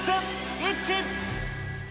イッチ。